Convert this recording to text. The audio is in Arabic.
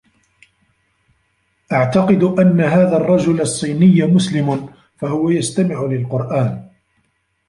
أعتقد أنّ هذا الرّجل الصّينيّ مسلم، فهو يستمع للقرآن.